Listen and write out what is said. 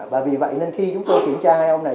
và vì vậy nên khi chúng tôi kiểm tra hai ông này